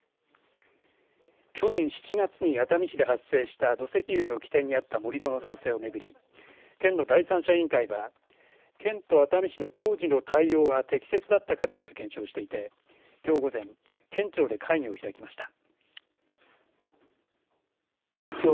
去年７月に熱海市で発生した土石流の起点にあった盛り土の造成を巡り県の第三者委員会は県と熱海市の当時の対応が適切だったかどうか検証していてきょう午前県庁で会議を開きました。